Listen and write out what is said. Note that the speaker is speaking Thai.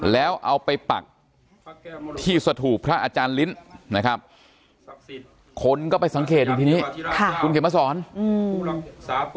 แล้วเอาไปปักที่สถูปพระอาจารย์ลิ้นนะครับคนก็ไปสังเกตอย่างที่นี้